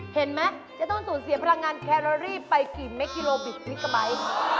เห็นไหมจะต้องสูญเสียพลังงานแครอรี่ไปกี่เม็กกิโลบิตพลิกกะไบท์